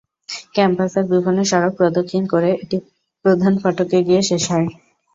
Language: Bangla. ক্যাম্পাসের বিভিন্ন সড়ক প্রদক্ষিণ করে এটি প্রধান ফটকে গিয়ে শেষ হয়।